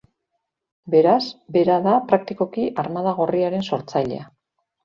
Beraz, bera da praktikoki Armada Gorriaren sortzailea.